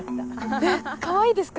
えっかわいいですか？